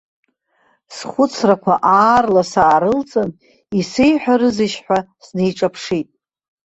Схәыцрақәа аарла саарылҵын, исеиҳәарызеишь ҳәа снеиҿаԥшит.